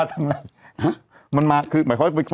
ถูกมันจะเปียกฝน